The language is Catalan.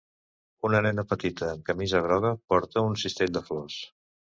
Una nena petita amb camisa groga porta un cistell de flors.